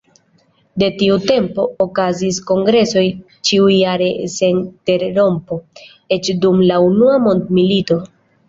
De tiu tempo okazis kongresoj ĉiujare sen interrompo, eĉ dum la Unua Mondmilito.